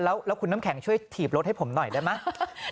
แล้วคุณน้ำแข็งช่วยถีบรถให้ผมหน่อยได้ไหม